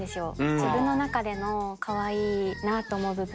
自分の中でのかわいいなと思う部分。